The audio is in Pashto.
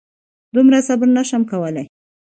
دومره صبر نه شم کولی.